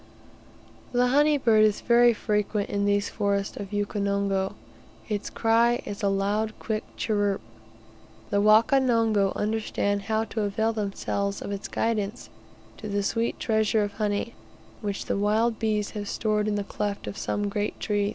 The honey bird is very frequent in these forests of Ukonongo. Its cry is a loud, quick chirrup. The Wakonongo understand how to avail themselves of its guidance to the sweet treasure of honey which the wild bees have stored in the cleft of some great tree.